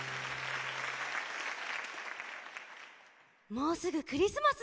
もうすぐクリスマス！